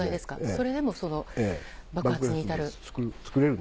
それでも爆発に至る。